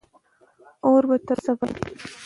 اور به تر اوسه بل وي.